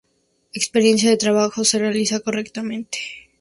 Experiencia de trabajo se realiza correctamente.